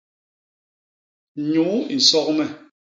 Nyuu i nsok me.